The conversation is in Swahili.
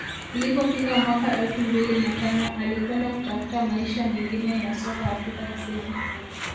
ilipofika mwaka elfu mbili na tano alikwenda kutafuta maisha mengine ya soka Afrika Kusini